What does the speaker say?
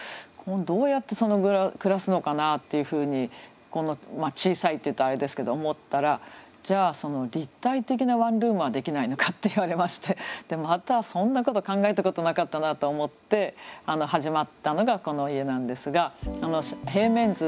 どうやって暮らすのかなっていうふうにこんな小さいって言うとあれですけど思ったらじゃあ立体的なワンルームはできないのかって言われましてまたそんなこと考えたことなかったなと思って始まったのがこの家なんですが平面図。